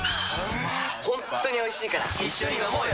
本当においしいから一緒に飲もうよ。